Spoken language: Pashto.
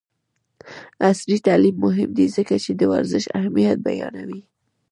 عصري تعلیم مهم دی ځکه چې د ورزش اهمیت بیانوي.